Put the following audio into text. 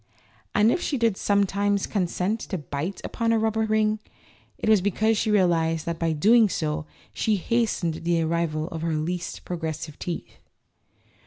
And if she did sometimes consent to bite upon a rubber ring, it was because she realized that by so doing she hastened the arrival of her least progressive teeth.